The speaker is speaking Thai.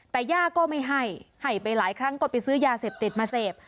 แต่ย่าก็ไม่ให้ให้ไปหลายครั้งก็ไปซื้อยาเสพติดมาเสพ